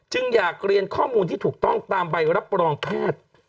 อยากเรียนข้อมูลที่ถูกต้องตามใบรับรองแพทย์